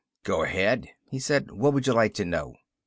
"Go ahead," he said. "What would you like to know?"